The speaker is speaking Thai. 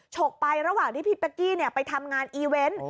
ฉกไประหว่างที่พี่เป๊กกี้ไปทำงานอีเวนต์